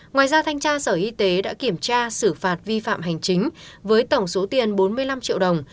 ngoài ra thanh tra sở y tế đã kiểm tra xử phạt vi phạm hành chính với tổng số tiền bốn mươi năm triệu đồng